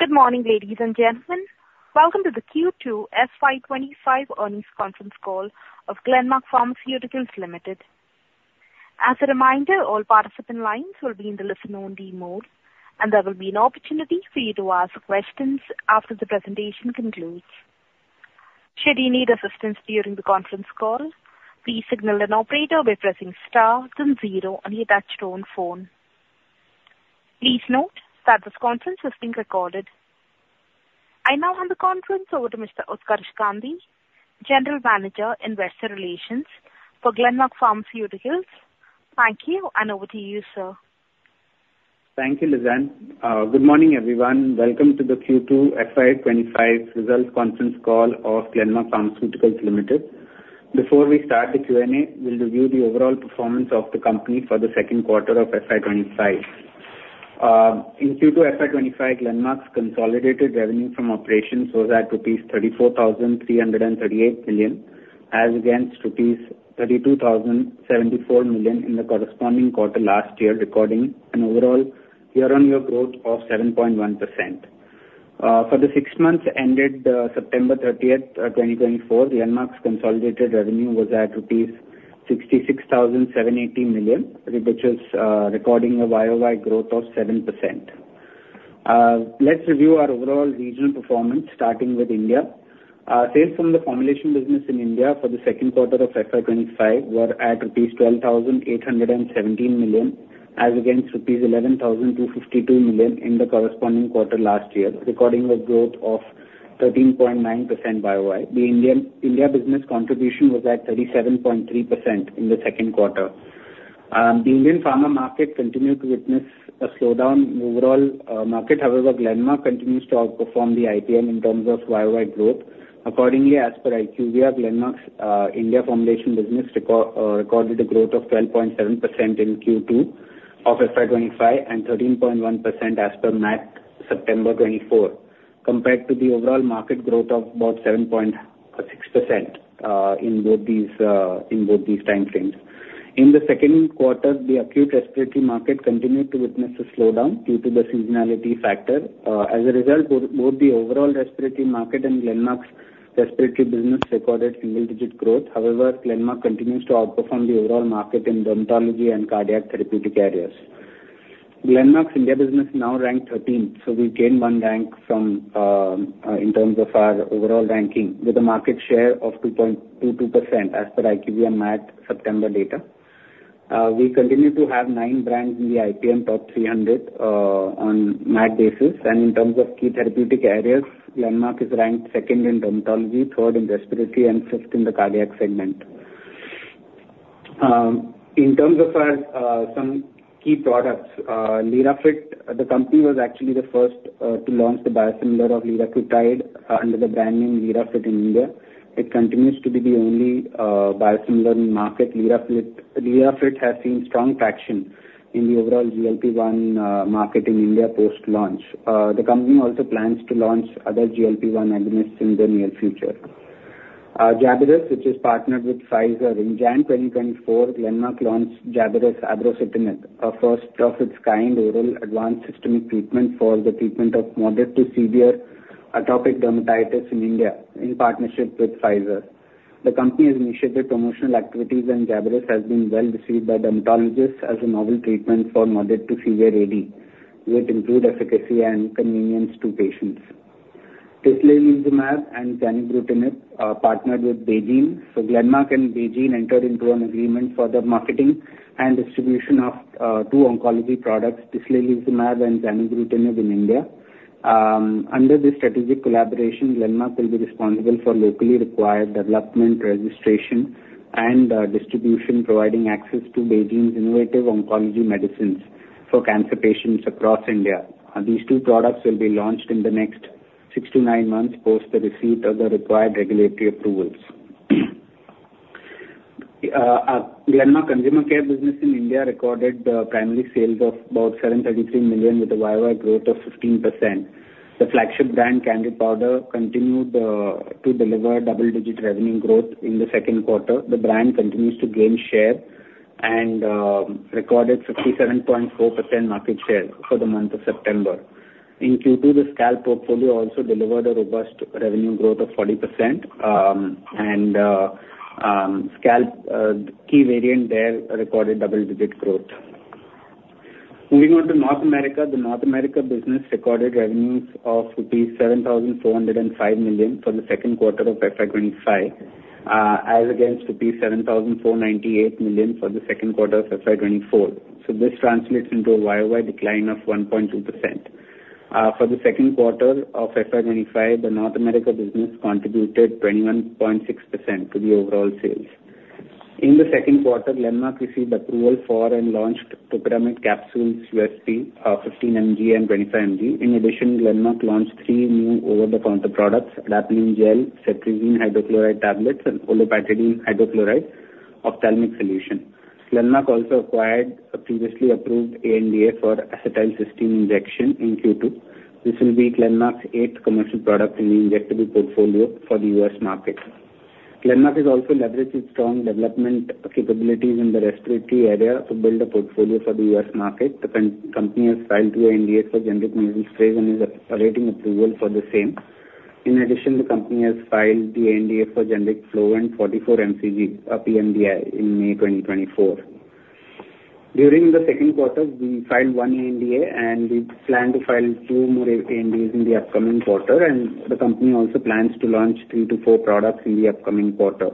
Good morning, ladies and gentlemen. Welcome to the Q2 FY25 earnings conference call of Glenmark Pharmaceuticals Limited. As a reminder, all participant lines will be in the listen-only mode, and there will be an opportunity for you to ask questions after the presentation concludes. Should you need assistance during the conference call, please signal an operator by pressing star then zero and you will be connected on the phone. Please note that this conference is being recorded. I now hand the conference over to Mr. Utkarsh Gandhi, General Manager in Investor Relations for Glenmark Pharmaceuticals. Thank you, and over to you, sir. Thank you, Lizanne. Good morning, everyone. Welcome to the Q2 FY25 results conference call of Glenmark Pharmaceuticals Limited. Before we start the Q&A, we'll review the overall performance of the company for the second quarter of FY25. In Q2 FY25, Glenmark's consolidated revenue from operations was at rupees 34,338 million, as against rupees 32,074 million in the corresponding quarter last year, recording an overall year-on-year growth of 7.1%. For the six months ended September 30th, 2024, Glenmark's consolidated revenue was at rupees 66,780 million, which is recording a YOY growth of 7%. Let's review our overall regional performance, starting with India. Sales from the formulation business in India for the second quarter of FY25 were at rupees 12,817 million, as against rupees 11,252 million in the corresponding quarter last year, recording a growth of 13.9% YOY. The India business contribution was at 37.3% in the second quarter. The Indian pharma market continued to witness a slowdown overall market. However, Glenmark continues to outperform the IPM in terms of YOY growth. Accordingly, as per IQVIA, Glenmark's India formulation business recorded a growth of 12.7% in Q2 of FY25 and 13.1% as per MAT September 2024, compared to the overall market growth of about 7.6% in both these time frames. In the second quarter, the acute respiratory market continued to witness a slowdown due to the seasonality factor. As a result, both the overall respiratory market and Glenmark's respiratory business recorded single-digit growth. However, Glenmark continues to outperform the overall market in dermatology and cardiac therapeutic areas. Glenmark's India business now ranked 13th, so we gained one rank in terms of our overall ranking, with a market share of 2.22% as per IQVIA MAT September 2024 data. We continue to have nine brands in the IPM top 300 on MAT basis, and in terms of key therapeutic areas, Glenmark is ranked second in dermatology, third in respiratory, and fifth in the cardiac segment. In terms of some key products, Lirafit, the company was actually the first to launch the biosimilar of Liraglutide under the brand name Lirafit in India. It continues to be the only biosimilar in the market. Lirafit has seen strong traction in the overall GLP-1 market in India post-launch. The company also plans to launch other GLP-1 agonists in the near future. Jabryus, which is partnered with Pfizer, in January 2024, Glenmark launched Jabryus Abrocitinib, a first-of-its-kind oral advanced systemic treatment for the treatment of moderate to severe atopic dermatitis in India in partnership with Pfizer. The company's initiative promotional activities and Jabryus have been well received by dermatologists as a novel treatment for moderate to severe AD, with improved efficacy and convenience to patients. Tislelizumab and Zanubrutinib are partnered with BeiGene. So Glenmark and BeiGene entered into an agreement for the marketing and distribution of two oncology products, Tislelizumab and Zanubrutinib, in India. Under this strategic collaboration, Glenmark will be responsible for locally required development, registration, and distribution, providing access to BeiGene's innovative oncology medicines for cancer patients across India. These two products will be launched in the next six to nine months post the receipt of the required regulatory approvals. Glenmark's consumer care business in India recorded primary sales of about 733 million, with a YOY growth of 15%. The flagship brand, Candid Powder, continued to deliver double-digit revenue growth in the second quarter. The brand continues to gain share and recorded 57.4% market share for the month of September. In Q2, the scalp portfolio also delivered a robust revenue growth of 40%, and scalp key variant there recorded double-digit growth. Moving on to North America, the North America business recorded revenues of 7,405 million for the second quarter of FY25, as against 7,498 million for the second quarter of FY24. So this translates into a YOY decline of 1.2%. For the second quarter of FY25, the North America business contributed 21.6% to the overall sales. In the second quarter, Glenmark received approval for and launched Topiramate capsules, USP, 15 mg and 25 mg. In addition, Glenmark launched three new over-the-counter products: Adapalene gel, Cetirizine hydrochloride tablets, and Olapatadine hydrochloride ophthalmic solution. Glenmark also acquired a previously approved ANDA for acetylcysteine injection in Q2. This will be Glenmark's eighth commercial product in the injectable portfolio for the U.S. market. Glenmark has also leveraged its strong development capabilities in the respiratory area to build a portfolio for the U.S. market. The company has filed an ANDA for generic nasal sprays and is awaiting approval for the same. In addition, the company has filed the ANDA for generic Flovent 44 mcg pMDI in May 2024. During the second quarter, we filed one ANDA, and we plan to file two more ANDAs in the upcoming quarter, and the company also plans to launch three to four products in the upcoming quarter.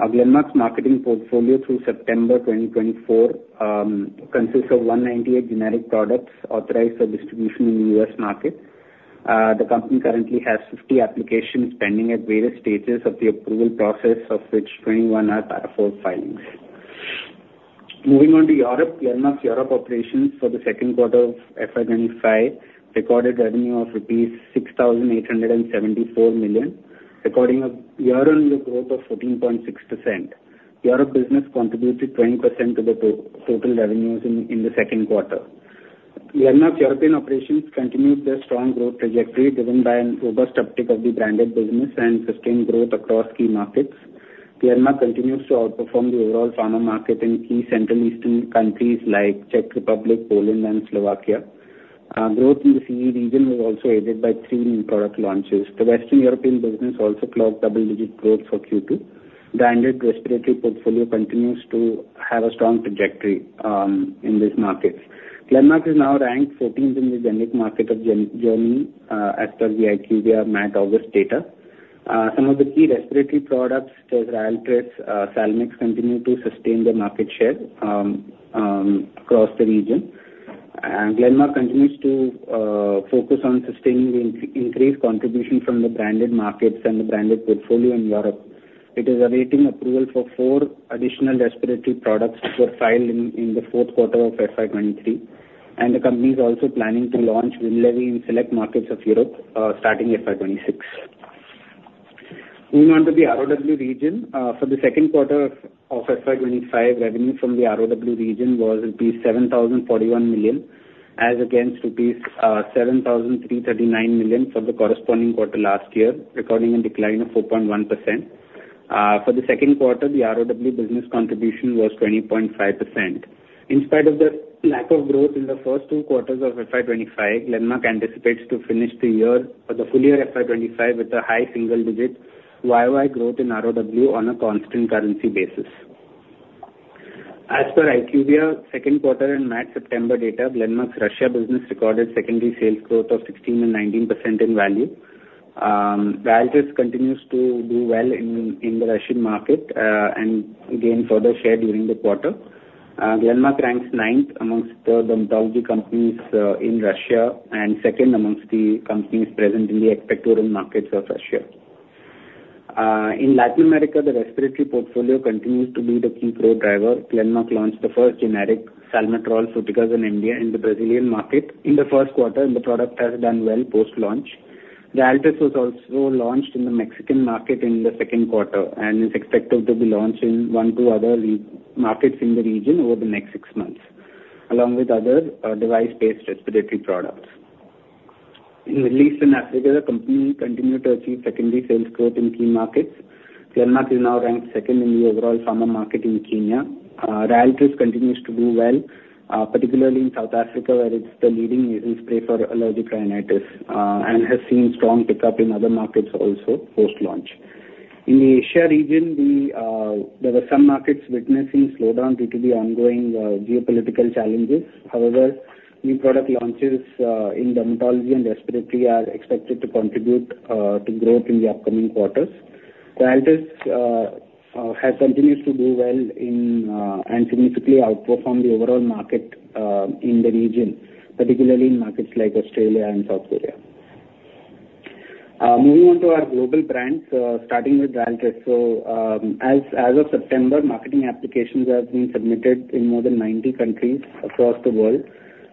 Glenmark's marketed portfolio through September 2024 consists of 198 generic products authorized for distribution in the U.S. market. The company currently has 50 applications pending at various stages of the approval process, of which 21 are Para IV filings. Moving on to Europe, Glenmark's Europe operations for the second quarter of FY25 recorded revenue of rupees 6,874 million, recording a year-on-year growth of 14.6%. Europe business contributed 20% of the total revenues in the second quarter. Glenmark's European operations continued their strong growth trajectory driven by a robust uptake of the branded business and sustained growth across key markets. Glenmark continues to outperform the overall pharma market in key Central Eastern countries like Czech Republic, Poland, and Slovakia. Growth in the CE region was also aided by three new product launches. The Western European business also clocked double-digit growth for Q2. Branded respiratory portfolio continues to have a strong trajectory in these markets. Glenmark is now ranked 14th in the generic market of Germany as per the IQVIA MAT August data. Some of the key respiratory products, such as Rialtris, Salmex, continue to sustain their market share across the region. Glenmark continues to focus on sustaining the increased contribution from the branded markets and the branded portfolio in Europe. It is awaiting approval for four additional respiratory products that were filed in the fourth quarter of FY23, and the company is also planning to launch Winlevi in select markets of Europe starting FY26. Moving on to the ROW region, for the second quarter of FY25, revenue from the ROW region was 7,041 million, as against rupees 7,339 million for the corresponding quarter last year, recording a decline of 4.1%. For the second quarter, the ROW business contribution was 20.5%. In spite of the lack of growth in the first two quarters of FY25, Glenmark anticipates to finish the full year of FY25 with a high single-digit YOY growth in ROW on a constant currency basis. As per IQVIA, second quarter and MAT September data, Glenmark's Russia business recorded secondary sales growth of 16% and 19% in value. Rialtris continues to do well in the Russian market and gains further share during the quarter. Glenmark ranks ninth amongst the dermatology companies in Russia and second amongst the companies present in the expectorant markets of Russia. In Latin America, the respiratory portfolio continues to be the key growth driver. Glenmark launched the first generic Salmeterol/Fluticasone in the Brazilian market in the first quarter, and the product has done well post-launch. Rialtris was also launched in the Mexican market in the second quarter and is expected to be launched in one or two other markets in the region over the next six months, along with other device-based respiratory products. In the Middle East and Africa, the company continued to achieve secondary sales growth in key markets. Glenmark is now ranked second in the overall pharma market in Kenya. RYALTRIS continues to do well, particularly in South Africa, where it's the leading nasal spray for allergic rhinitis and has seen strong pickup in other markets also post-launch. In the Asia region, there were some markets witnessing slowdown due to the ongoing geopolitical challenges. However, new product launches in dermatology and respiratory are expected to contribute to growth in the upcoming quarters. RYALTRIS has continued to do well and significantly outperform the overall market in the region, particularly in markets like Australia and South Korea. Moving on to our global brands, starting with RYALTRIS. So as of September, marketing applications have been submitted in more than 90 countries across the world,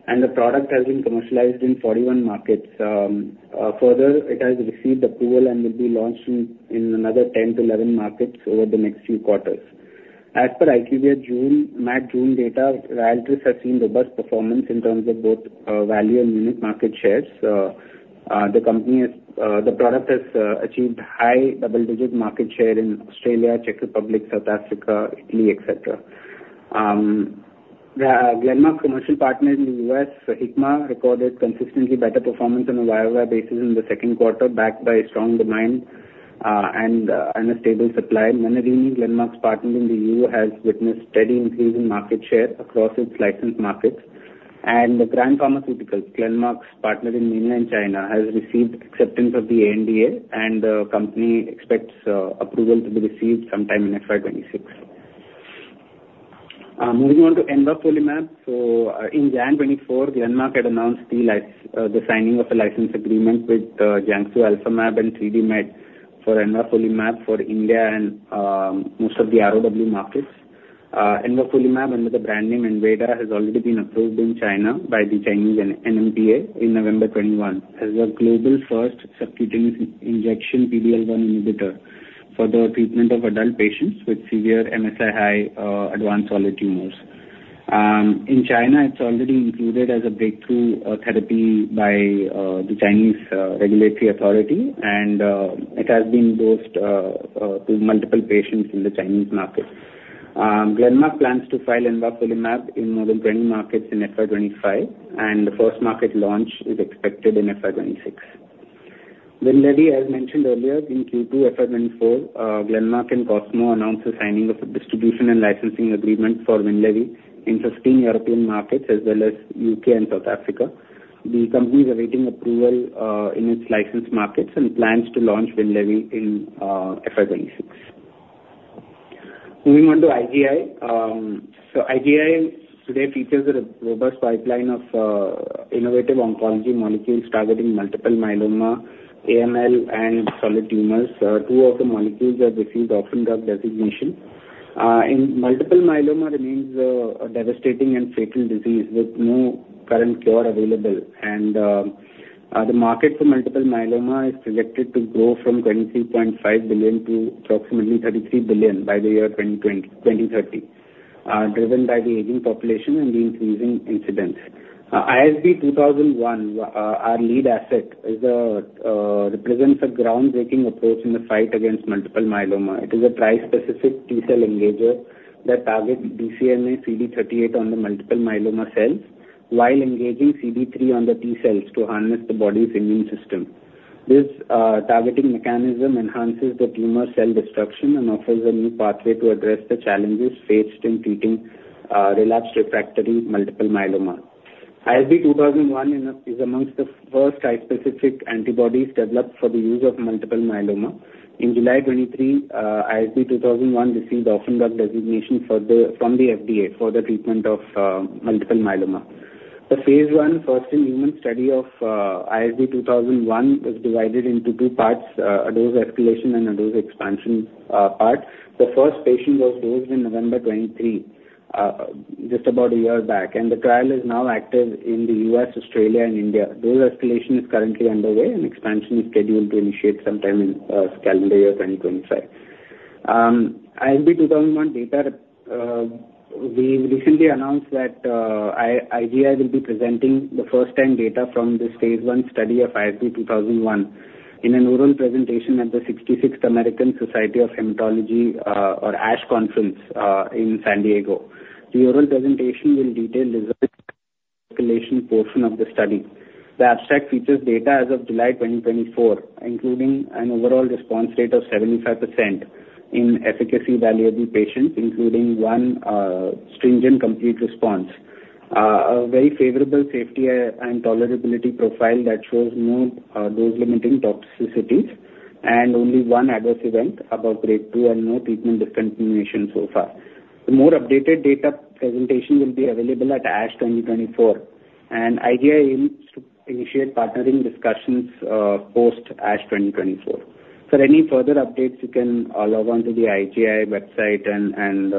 and the product has been commercialized in 41 markets. Further, it has received approval and will be launched in another 10 to 11 markets over the next few quarters. As per IQVIA MAT June data, Rialtris has seen robust performance in terms of both value and unique market shares. The product has achieved high double-digit market share in Australia, Czech Republic, South Africa, Italy, etc. Glenmark's commercial partner in the U.S., Hikma, recorded consistently better performance on a YOY basis in the second quarter, backed by strong demand and a stable supply. Menarini, Glenmark's partner in the E.U., has witnessed steady increase in market share across its licensed markets. And Grand Pharmaceuticals, Glenmark's partner in India and China, has received acceptance of the ANDA, and the company expects approval to be received sometime in FY26. Moving on to Envafolimab. In January 2024, Glenmark had announced the signing of a license agreement with Jiangsu Alphamab and 3DMed for Envafolimab for India and most of the ROW markets. Envafolimab, under the brand name Enweida, has already been approved in China by the Chinese NMPA in November 2021 as the global first subcutaneous injection PD-L1 inhibitor for the treatment of adult patients with MSI-H advanced solid tumors. In China, it is already included as a breakthrough therapy by the Chinese regulatory authority, and it has been dosed to multiple patients in the Chinese market. Glenmark plans to file Envafolimab in more than 20 markets in FY25, and the first market launch is expected in FY26. Winlevi, as mentioned earlier, in Q2 FY24, Glenmark and Cosmo announced the signing of a distribution and licensing agreement for Winlevi in 15 European markets, as well as UK and South Africa. The company is awaiting approval in its licensed markets and plans to launch Winlevi in FY26. Moving on to IGI. IGI today features a robust pipeline of innovative oncology molecules targeting multiple myeloma, AML, and solid tumors. Two of the molecules have received orphan drug designation. Multiple myeloma remains a devastating and fatal disease with no current cure available, and the market for multiple myeloma is projected to grow from $23.5 billion to approximately $33 billion by the year 2030, driven by the aging population and the increasing incidence. ISB 2001, our lead asset, represents a groundbreaking approach in the fight against multiple myeloma. It is a trispecific T-cell engager that targets BCMA and CD38 on the multiple myeloma cells while engaging CD3 on the T-cells to harness the body's immune system. This targeting mechanism enhances the tumor cell destruction and offers a new pathway to address the challenges faced in treating relapsed refractory multiple myeloma. ISB 2001 is among the first trispecific antibodies developed for the use of multiple myeloma. In July 2023, ISB 2001 received orphan drug designation from the FDA for the treatment of multiple myeloma. The phase one, first-in-human study of ISB 2001, is divided into two parts: a dose escalation and a dose expansion part. The first patient was dosed in November 2023, just about a year back, and the trial is now active in the U.S., Australia, and India. Dose escalation is currently underway, and expansion is scheduled to initiate sometime in calendar year 2025. ISB 2001 data, we recently announced that IGI will be presenting the first-time data from the phase one study of ISB 2001 in an oral presentation at the 66th American Society of Hematology or ASH conference in San Diego. The oral presentation will detail the escalation portion of the study. The abstract features data as of July 2024, including an overall response rate of 75% in evaluable patients, including one stringent complete response, a very favorable safety and tolerability profile that shows no dose-limiting toxicities, and only one adverse event above grade 2, and no treatment discontinuation so far. The more updated data presentation will be available at ASH 2024, and IGI aims to initiate partnering discussions post-ASH 2024. For any further updates, you can log on to the IGI website and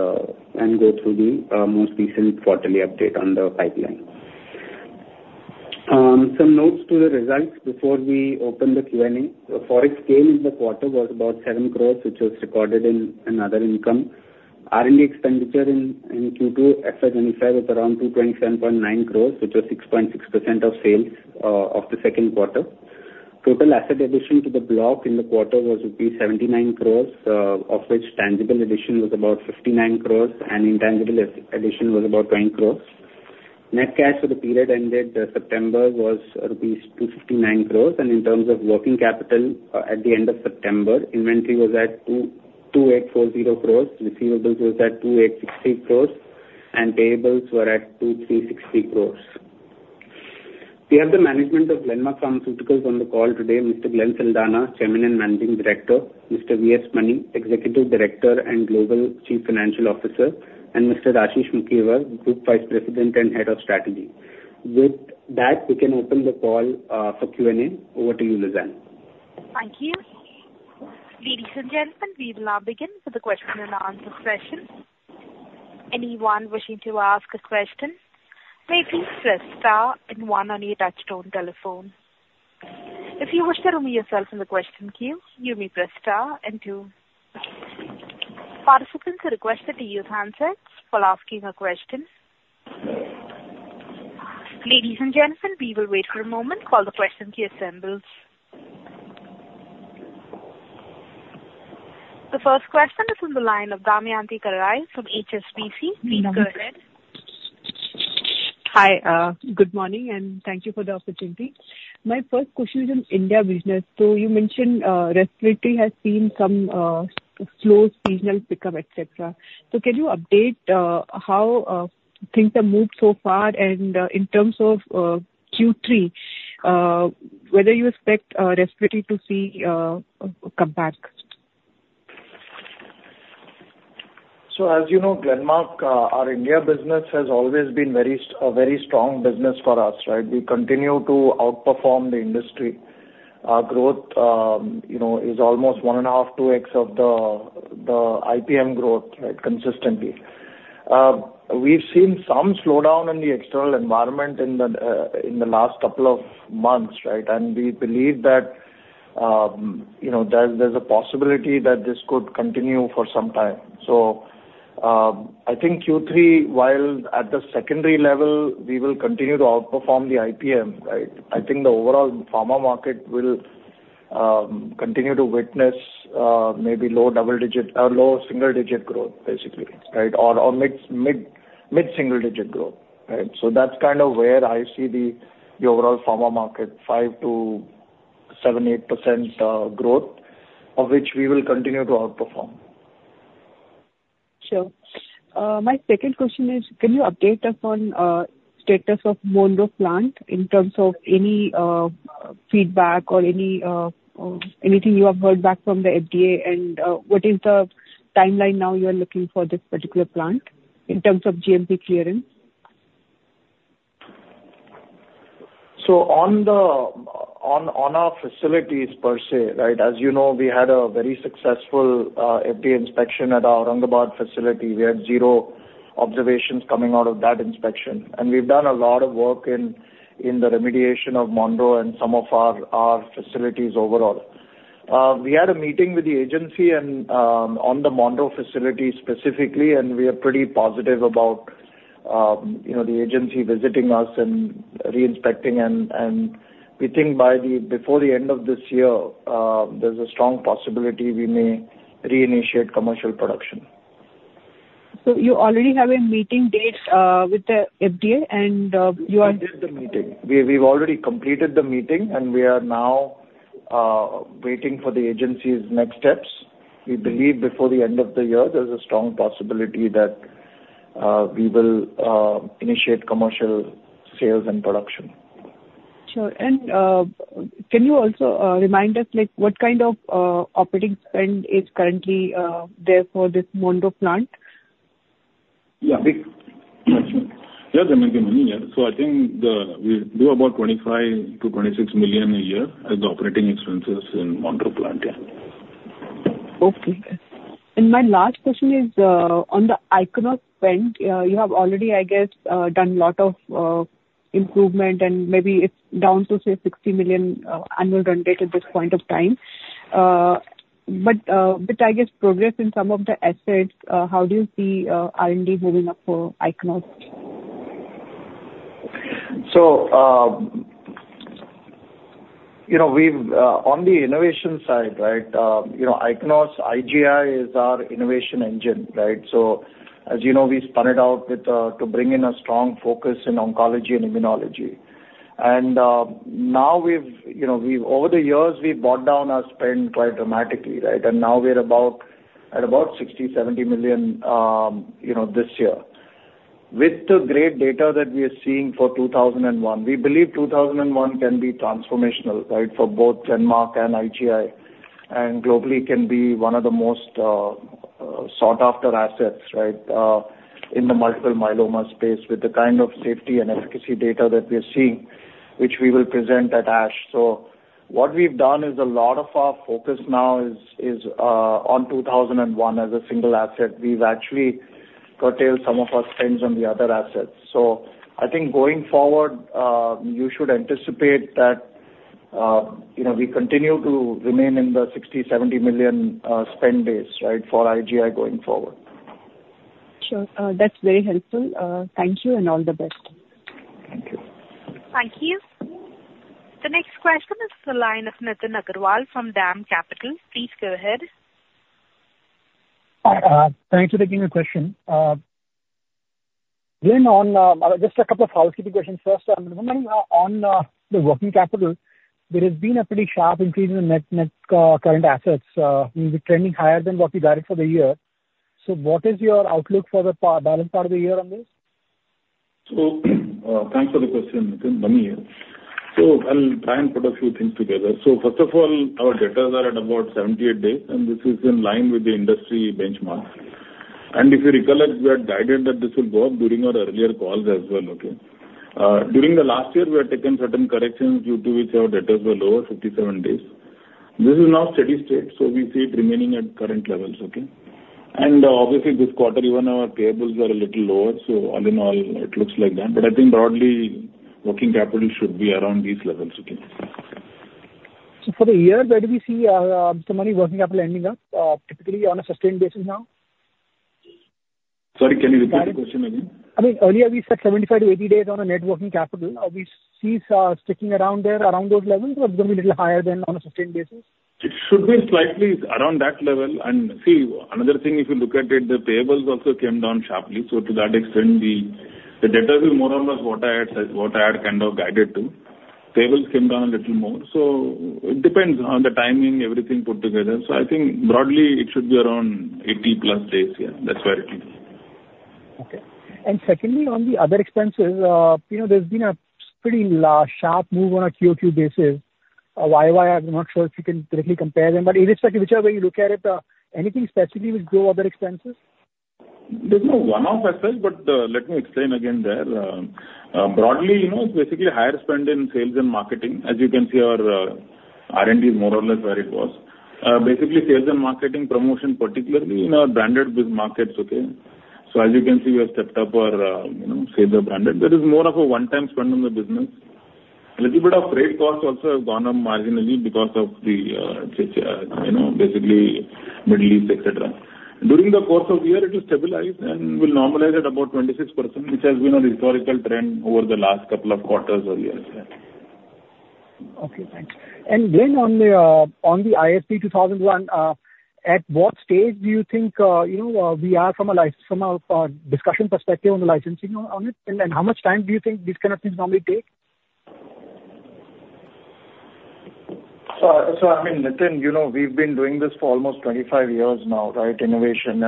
go through the most recent quarterly update on the pipeline. Some notes to the results before we open the Q&A. The forex gain in the quarter was about seven crores, which was recorded in other income. R&D expenditure in Q2 FY25 was around 227.9 crores, which was 6.6% of sales of the second quarter. Total asset addition to the block in the quarter was INR 79 crores, of which tangible addition was about 59 crores, and intangible addition was about 20 crores. Net cash for the period ended September was INR 259 crores, and in terms of working capital at the end of September, inventory was at 2840 crores, receivables was at 2860 crores, and payables were at 2360 crores. We have the management of Glenmark Pharmaceuticals on the call today, Mr. Glenn Saldanha, Chairman and Managing Director, Mr. V. S. Mani, Executive Director and Global Chief Financial Officer, and Mr. Ashish Mukkirwar, Group Vice President and Head of Strategy. With that, we can open the call for Q&A. Over to you, Lizanne. Thank you. Ladies and gentlemen, we will now begin with the question and answer session. Anyone wishing to ask a question may please press star and one on your touch-tone telephone. If you wish to remove yourself in the question queue, you may press star and two. Participants are requested to use handsets while asking a question. Ladies and gentlemen, we will wait for a moment while the question queue assembles. The first question is from the line of Damayanti Kerai from HSBC. Please go ahead. Hi, good morning, and thank you for the opportunity. My first question is on India business. So you mentioned respiratory has seen some slow seasonal pickup, etc. So can you update how things have moved so far and in terms of Q3, whether you expect respiratory to see a comeback? So as you know, Glenmark, our India business has always been a very strong business for us, right? We continue to outperform the industry. Our growth is almost one and a half, two X of the IPM growth, right, consistently. We've seen some slowdown in the external environment in the last couple of months, right? And we believe that there's a possibility that this could continue for some time. So I think Q3, while at the secondary level, we will continue to outperform the IPM, right? I think the overall pharma market will continue to witness maybe low single-digit growth, basically, right? Or mid-single-digit growth, right? So that's kind of where I see the overall pharma market, 5%-8% growth, of which we will continue to outperform. Sure. My second question is, can you update us on the status of Monroe plant in terms of any feedback or anything you have heard back from the FDA? And what is the timeline now you are looking for this particular plant in terms of GMP clearance? So on our facilities per se, right, as you know, we had a very successful FDA inspection at our Aurangabad facility. We had zero observations coming out of that inspection. And we've done a lot of work in the remediation of Monroe and some of our facilities overall. We had a meeting with the agency on the Monroe facility specifically, and we are pretty positive about the agency visiting us and reinspecting. And we think by before the end of this year, there's a strong possibility we may reinitiate commercial production. So you already have a meeting date with the FDA, and you are? We completed the meeting. We've already completed the meeting, and we are now waiting for the agency's next steps. We believe before the end of the year, there's a strong possibility that we will initiate commercial sales and production. Sure. And can you also remind us what kind of operating spend is currently there for this Monroe plant? Yeah. Yeah, there may be money, yeah. So I think we do about $25-26 million a year as the operating expenses in Monroe plant, yeah. Okay. And my last question is on the Ichnos spend. You have already, I guess, done a lot of improvement, and maybe it's down to, say, $60 million annual run rate at this point of time. But I guess progress in some of the assets, how do you see R&D moving up for Ichnos? So on the innovation side, right, Ichnos, IGI is our innovation engine, right? So as you know, we spun it out to bring in a strong focus in oncology and immunology. And now, over the years, we've brought down our spend quite dramatically, right? And now we're at about 60-70 million this year. With the great data that we are seeing for 2001, we believe 2001 can be transformational, right, for both Glenmark and IGI, and globally can be one of the most sought-after assets, right, in the multiple myeloma space with the kind of safety and efficacy data that we are seeing, which we will present at ASH. So what we've done is a lot of our focus now is on 2001 as a single asset. We've actually curtailed some of our spends on the other assets. So I think going forward, you should anticipate that we continue to remain in the 60-70 million spend base, right, for IGI going forward. Sure. That's very helpful. Thank you, and all the best. Thank you. Thank you. The next question is from the line of Nitin Agarwal from DAM Capital. Please go ahead. Thanks for taking the question. Glenn, just a couple of housekeeping questions. First, on the working capital, there has been a pretty sharp increase in the net current assets. We're trending higher than what we got it for the year. So what is your outlook for the balance part of the year on this? So thanks for the question, Nitin. So I'll try and put a few things together. So first of all, our data is at about 78 days, and this is in line with the industry benchmark. And if you recall, we had guided that this will go up during our earlier calls as well, okay? During the last year, we had taken certain corrections due to which our data was lower, 57 days. This is now steady state, so we see it remaining at current levels, okay? And obviously, this quarter, even our payables are a little lower. So all in all, it looks like that. But I think broadly, working capital should be around these levels, okay? So for the year, where do we see some money working capital ending up, typically on a sustained basis now? Sorry, can you repeat the question again? I mean, earlier, we said 75 to 80 days on a net working capital. Are we seeing sticking around there, around those levels, or it's going to be a little higher than on a sustained basis? It should be slightly around that level. And see, another thing, if you look at it, the payables also came down sharply. So to that extent, the data is more or less what I had kind of guided to. Payables came down a little more. So it depends on the timing, everything put together. So I think broadly, it should be around 80 plus days, yeah. That's where it is. Okay. And secondly, on the other expenses, there's been a pretty sharp move on a Q2 basis. Why? I'm not sure if you can directly compare them, but in this particular, whichever way you look at it, anything specifically with growth other expenses? There's no one-off aspect, but let me explain again there. Broadly, it's basically higher spend in sales and marketing. As you can see, our R&D is more or less where it was. Basically, sales and marketing promotion, particularly in our branded markets, okay? So as you can see, we have stepped up our sales and branded. There is more of a one-time spend on the business. A little bit of trade costs also have gone up marginally because of the basically Middle East, etc. During the course of the year, it will stabilize and will normalize at about 26%, which has been a historical trend over the last couple of quarters of the year, yeah. Okay. Thanks. And Glenn, on the ISB 2001, at what stage do you think we are from a discussion perspective on the licensing on it? And how much time do you think these kind of things normally take? So I mean, Nitin, we've been doing this for almost 25 years now, right, innovation.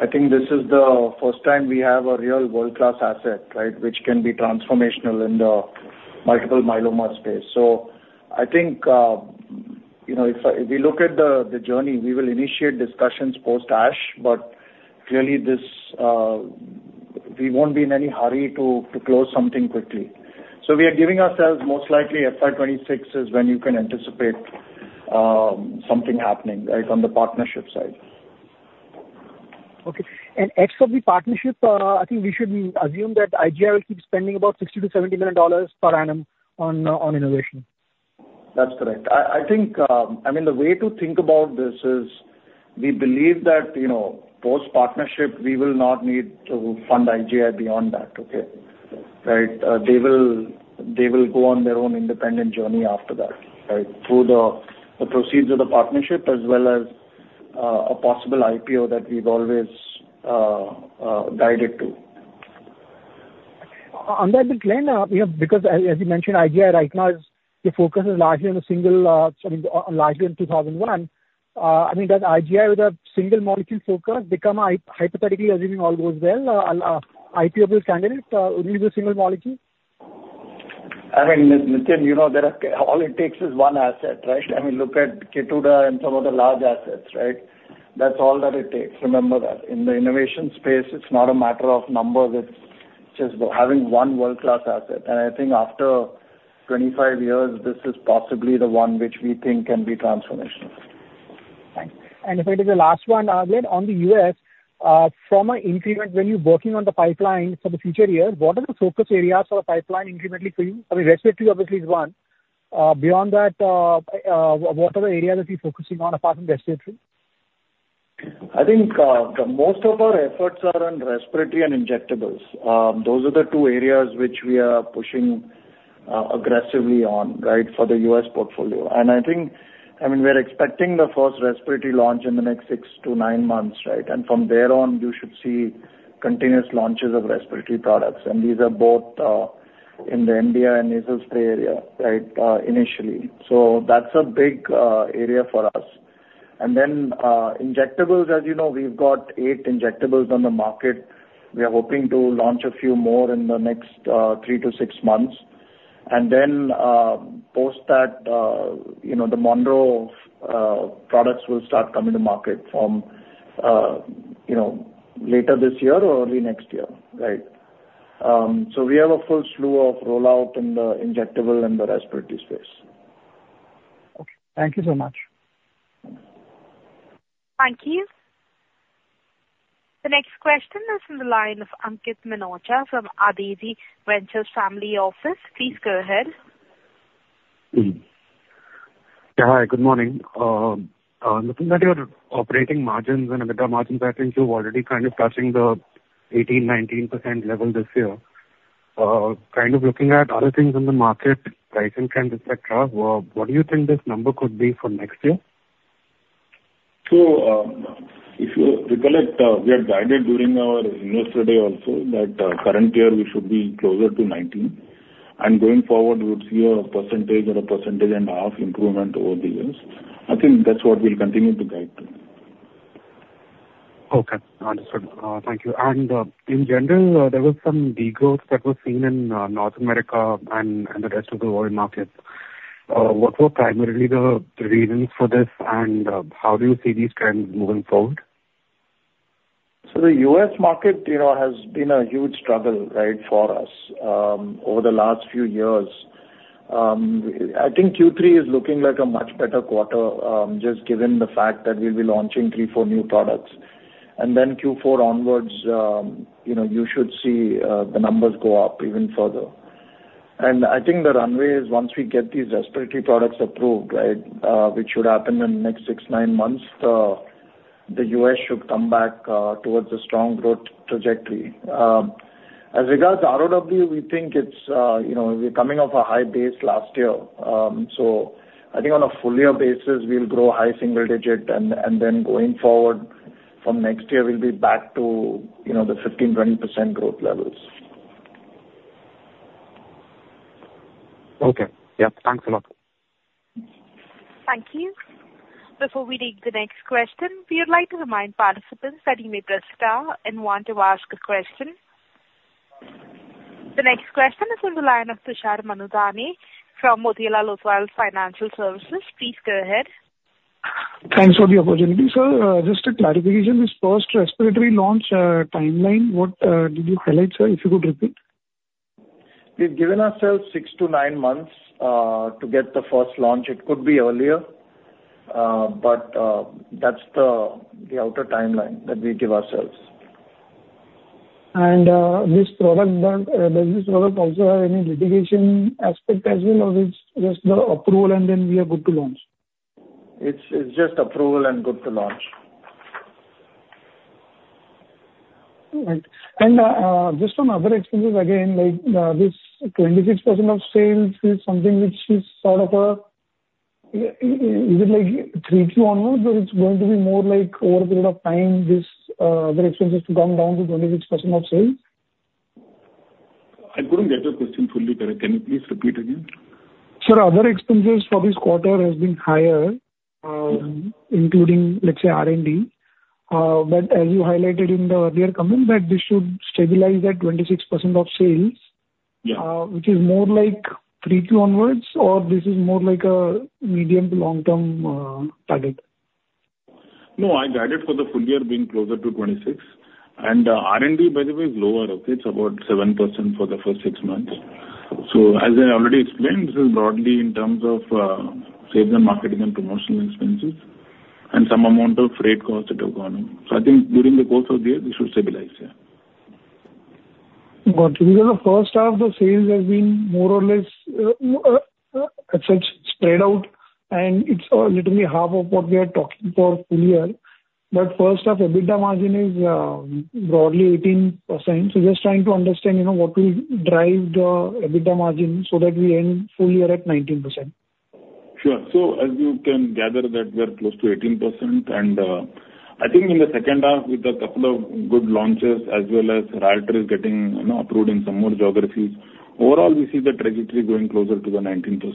I think this is the first time we have a real world-class asset, right, which can be transformational in the multiple myeloma space. So I think if we look at the journey, we will initiate discussions post-ASH, but clearly, we won't be in any hurry to close something quickly. So we are giving ourselves most likely FY26 is when you can anticipate something happening, right, on the partnership side. Okay. And post the partnership, I think we should assume that IGI will keep spending about $60 million-$70 million per annum on innovation. That's correct. I mean, the way to think about this is we believe that post-partnership, we will not need to fund IGI beyond that, okay? Right? They will go on their own independent journey after that, right, through the proceeds of the partnership as well as a possible IPO that we've always guided to. On that, Glenn, because as you mentioned, IGI right now the focus is largely on a single. I mean, largely on 2001. I mean, does IGI with a single molecule focus become, hypothetically assuming all goes well, IPO-based candidates only with a single molecule? I mean, Nitin, all it takes is one asset, right? I mean, look at Keytruda and some of the large assets, right? That's all that it takes. Remember that in the innovation space, it's not a matter of numbers. It's just having one world-class asset. And I think after 25 years, this is possibly the one which we think can be transformational. Thanks. And if I take the last one, Glenn, on the U.S., from an increment, when you're working on the pipeline for the future year, what are the focus areas for the pipeline incrementally for you? I mean, respiratory obviously is one. Beyond that, what are the areas that you're focusing on apart from respiratory? I think most of our efforts are on respiratory and injectables. Those are the two areas which we are pushing aggressively on, right, for the U.S. portfolio. And I think, I mean, we're expecting the first respiratory launch in the next six to nine months, right? And from there on, you should see continuous launches of respiratory products. And these are both in the inhaler and nasal spray area, right, initially. So that's a big area for us. And then injectables, as you know, we've got eight injectables on the market. We are hoping to launch a few more in the next three to six months. And then post that, the Monroe products will start coming to market later this year or early next year, right? So we have a full slew of rollout in the injectable and the respiratory space. Okay. Thank you so much. Thank you. The next question is from the line of Ankit Minocha from Adezi Ventures family office. Please go ahead. Yeah. Hi. Good morning. Looking at your operating margins and EBITDA margins, I think you've already kind of touching the 18%-19% level this year. Kind of looking at other things in the market, pricing trend, etc., what do you think this number could be for next year? So if you recollect, we had guided during our investor day also that current year we should be closer to 19%. And going forward, we would see a percentage or a percentage and a half improvement over the years. I think that's what we'll continue to guide to. Okay. Understood. Thank you. And in general, there were some degrowths that were seen in North America and the rest of the world markets. What were primarily the reasons for this, and how do you see these trends moving forward? So the U.S. market has been a huge struggle, right, for us over the last few years. I think Q3 is looking like a much better quarter just given the fact that we'll be launching three, four new products. And then Q4 onwards, you should see the numbers go up even further. And I think the runway is once we get these respiratory products approved, right, which should happen in the next six, nine months. The U.S. should come back towards a strong growth trajectory. As regards ROW, we think we're coming off a high base last year. So I think on a full year basis, we'll grow high single digit, and then going forward from next year, we'll be back to the 15%-20% growth levels. Okay. Yeah. Thanks a lot. Thank you. Before we take the next question, we would like to remind participants that you may press star and want to ask a question. The next question is from the line of Tushar Manudhane from Motilal Oswal Financial Services. Please go ahead. Thanks for the opportunity, sir. Just a clarification. This first respiratory launch timeline, what did you highlight, sir? If you could repeat. We've given ourselves six to nine months to get the first launch. It could be earlier, but that's the outer timeline that we give ourselves. And this product also has any litigation aspect as well, or it's just the approval, and then we are good to launch? It's just approval and good to launch. All right. And just on other expenses, again, this 26% of sales is something which is sort of a is it like 3Q onwards, or it's going to be more like over a period of time, this other expenses to come down to 26% of sales? I couldn't get your question fully correct. Can you please repeat again? Sir, other expenses for this quarter has been higher, including, let's say, R&D. But as you highlighted in the earlier comment, that this should stabilize at 26% of sales, which is more like 3Q onwards, or this is more like a medium to long-term target? No, I guided for the full year being closer to 26%. And R&D, by the way, is lower. It's about 7% for the first six months. So as I already explained, this is broadly in terms of sales and marketing and promotional expenses and some amount of trade costs that have gone up. So I think during the course of the year, this should stabilize, yeah. Got it. Because the first half of the sales has been more or less spread out, and it's literally half of what we are talking for full year. But first half, EBITDA margin is broadly 18%. So just trying to understand what will drive the EBITDA margin so that we end full year at 19%. Sure. So as you can gather that we are close to 18%. And I think in the second half, with a couple of good launches as well as Rialtris is getting approved in some more geographies, overall, we see the trajectory going closer to the 19%.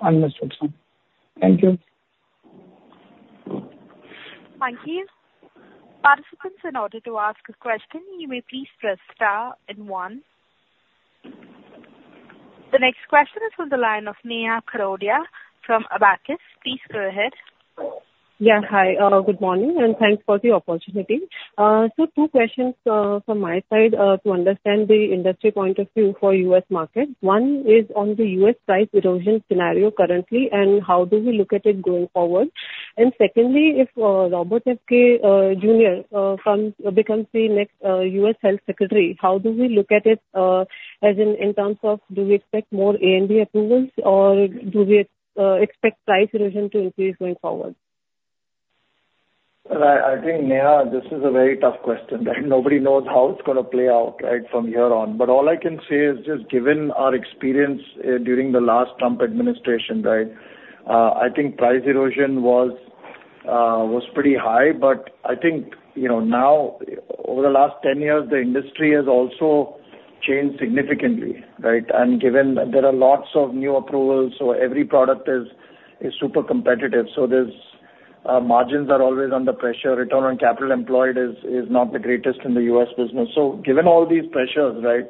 Understood, sir. Thank you. Thank you. Participants, in order to ask a question, you may please press star and one. The next question is from the line of Neha Kharodia from Abakkus. Please go ahead. Yeah. Hi. Good morning, and thanks for the opportunity. So two questions from my side to understand the industry point of view for U.S. markets. One is on the U.S. price erosion scenario currently, and how do we look at it going forward? And secondly, if Robert F. Kennedy Jr. becomes the next U.S. Health Secretary, how do we look at it in terms of do we expect more ANDA approvals, or do we expect price erosion to increase going forward? I think, Neha, this is a very tough question that nobody knows how it's going to play out, right, from here on. But all I can say is just given our experience during the last Trump administration, right? I think price erosion was pretty high. But I think now, over the last 10 years, the industry has also changed significantly, right? And given there are lots of new approvals, so every product is super competitive. So margins are always under pressure. Return on capital employed is not the greatest in the U.S. business. So given all these pressures, right?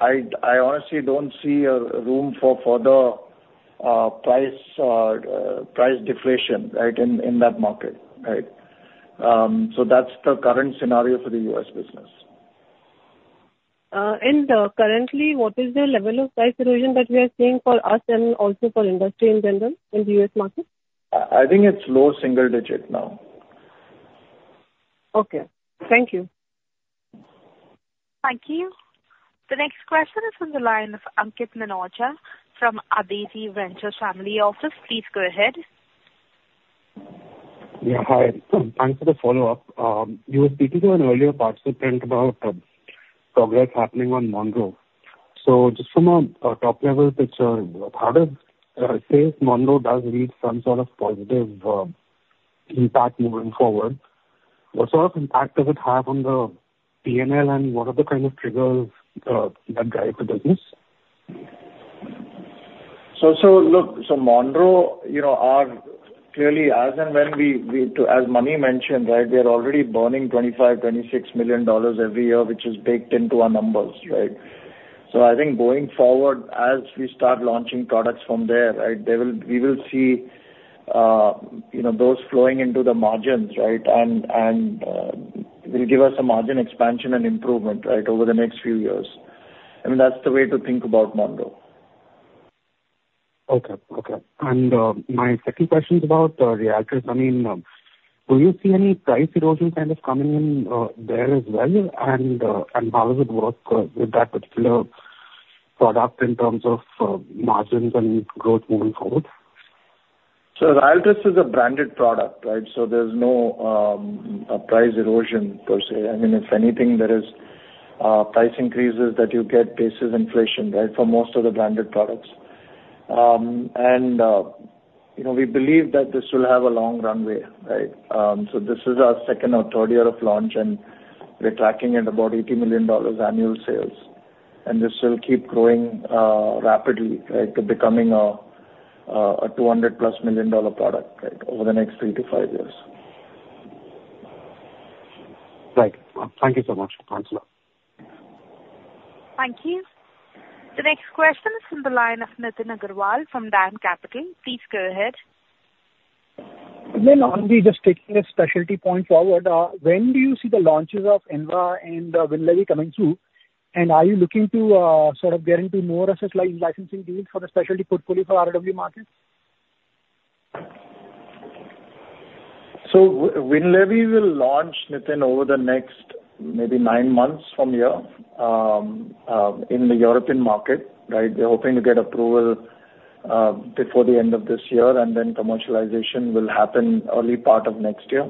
I honestly don't see a room for further price deflation, right, in that market, right? So that's the current scenario for the U.S. business. And currently, what is the level of price erosion that we are seeing for us and also for industry in general in the U.S. market? I think it's low single digit now. Okay. Thank you. Thank you. The next question is from the line of Ankit Minocha from Adezi Ventures family office. Please go ahead. Yeah. Hi. Thanks for the follow-up. You were speaking to an earlier participant about progress happening on Monroe. So just from a top-level picture, how does say Monroe does need some sort of positive impact moving forward? What sort of impact does it have on the P&L, and what are the kind of triggers that drive the business? So look, so Monroe, clearly, as and when we as Mani mentioned, right, we are already burning $25-$26 million every year, which is baked into our numbers, right? So I think going forward, as we start launching products from there, right, we will see those flowing into the margins, right, and will give us a margin expansion and improvement, right, over the next few years. I mean, that's the way to think about Monroe. Okay. Okay. And my second question is about Rialtris. I mean, will you see any price erosion kind of coming in there as well, and how does it work with that particular product in terms of margins and growth moving forward? So Rialtris is a branded product, right? So there's no price erosion per se. I mean, if anything, there is price increases that you get based on inflation, right, for most of the branded products. And we believe that this will have a long runway, right? So this is our second or third year of launch, and we're tracking at about $80 million annual sales. And this will keep growing rapidly, right, to becoming a $200-plus million product, right, over the next three to five years. Right. Thank you so much. Thanks. Thank you. The next question is from the line of Nitin Agarwal from DAM Capital. Please go ahead. Glenn, only just taking a specialty point forward, when do you see the launches of Envafolimab and Winlevi coming through, and are you looking to sort of get into more of a licensing deal for the specialty portfolio for RW markets? Winlevi will launch, Nathan, over the next maybe nine months from here in the European market, right? We're hoping to get approval before the end of this year, and then commercialization will happen early part of next year.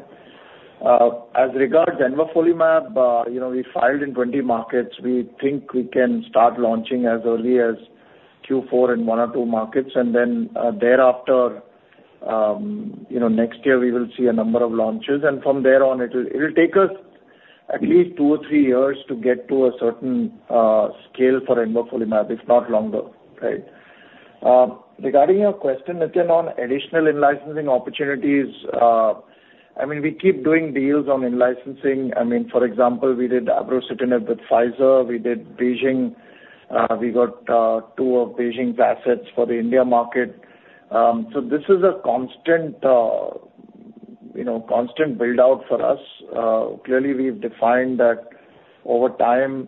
As regards Envafolimab, we filed in 20 markets. We think we can start launching as early as Q4 in one or two markets. And then thereafter, next year, we will see a number of launches. And from there on, it will take us at least two or three years to get to a certain scale for Envafolimab, if not longer, right? Regarding your question, Nitin, on additional in-licensing opportunities, I mean, we keep doing deals on in-licensing. I mean, for example, we did Abrocitinib with Pfizer. We did BeiGene. We got two of BeiGene's assets for the India market. So this is a constant build-out for us. Clearly, we've defined that over time,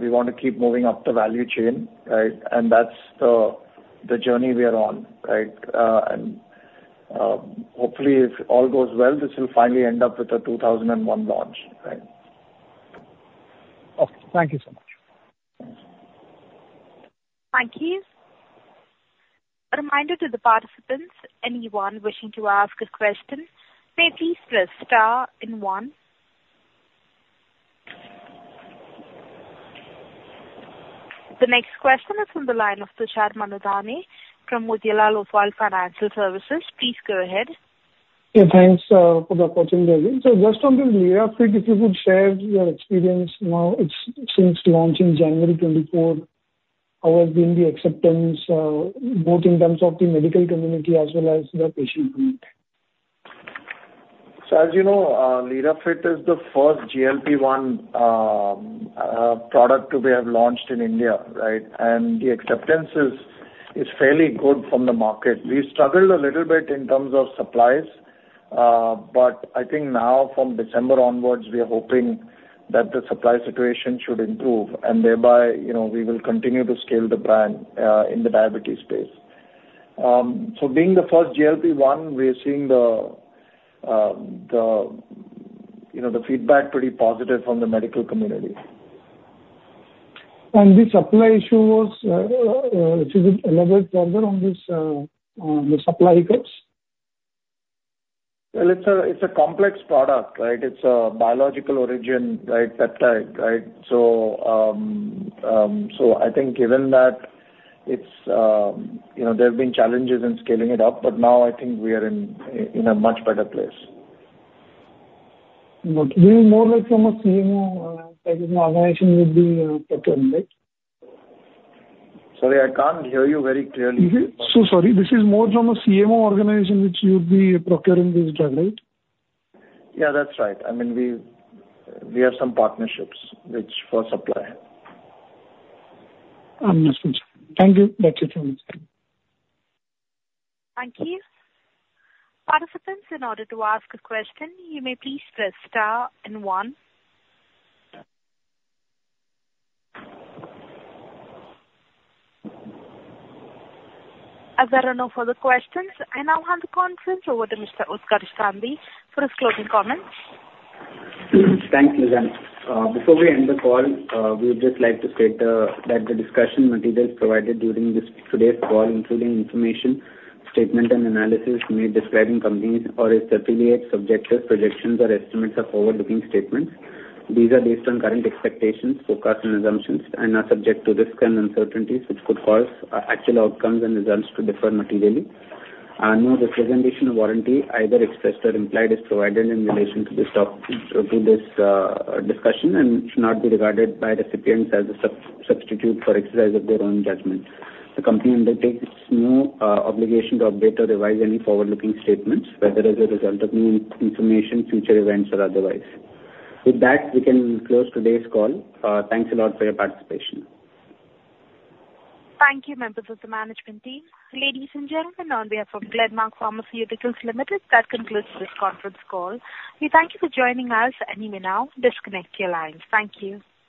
we want to keep moving up the value chain, right? And that's the journey we are on, right? And hopefully, if all goes well, this will finally end up with a 2001 launch, right? Okay. Thank you so much. Thank you. A reminder to the participants, anyone wishing to ask a question, may please press star and one. The next question is from the line of Tushar Manudhane from Motilal Oswal Financial Services. Please go ahead. Yeah. Thanks for the opportunity, Utkarsh. So just on the Lirafit, if you could share your experience now, since launching January 24, how has been the acceptance, both in terms of the medical community as well as the patient community? So as you know, Lirafit is the first GLP-1 product we have launched in India, right? And the acceptance is fairly good from the market. We struggled a little bit in terms of supplies, but I think now, from December onwards, we are hoping that the supply situation should improve, and thereby, we will continue to scale the brand in the diabetes space. So being the first GLP-1, we are seeing the feedback pretty positive from the medical community. And the supply issues, which is a little bit further on the supply goods? Well, it's a complex product, right? It's a biological origin, right, peptide, right? So I think given that there have been challenges in scaling it up, but now I think we are in a much better place. Okay. Do you know from a CMO organization you'll be procuring, right? Sorry, I can't hear you very clearly. So sorry. This is more from a CMO organization which you'll be procuring this drug, right? Yeah, that's right. I mean, we have some partnerships for supply. Understood. Thank you. That's it from me. Thank you. Participants, in order to ask a question, you may please press star and one. As there are no further questions, I now hand the conference over to Mr. Utkarsh Gandhi for his closing comments. Thank you, Lizanne. Before we end the call, we would just like to state that the discussion materials provided during today's call, including information, statements, and analysis, may describe company or its affiliates' subjective projections or estimates or forward-looking statements. These are based on current expectations, forecasts, and assumptions, and are subject to risks and uncertainties which could cause actual outcomes and results to differ materially. No representation or warranty, either expressed or implied, is provided in relation to this discussion and should not be regarded by recipients as a substitute for exercise of their own judgment. The company undertakes no obligation to update or revise any forward-looking statements, whether as a result of new information, future events, or otherwise. With that, we can close today's call. Thanks a lot for your participation. Thank you, members of the management team. Ladies and gentlemen, on behalf of Glenmark Pharmaceuticals Limited, that concludes this conference call. We thank you for joining us, and you may now disconnect your lines. Thank you. Thank you.